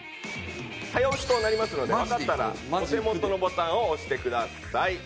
早押しとなりますのでわかったらお手元のボタンを押してください。